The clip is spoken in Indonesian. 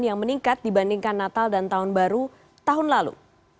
yang meningkat dibandingkan natal dan tahun baru tahun lalu